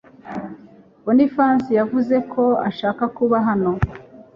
Bonifasi yavuze ko ashaka kuba hano .